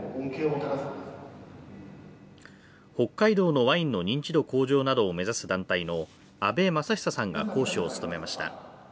北海道のワインの認知度向上などを目指す団体の阿部眞久さんが講師を務めました。